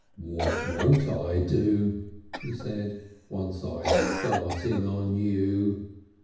"What won't I do?" he said. "Once I start in on you."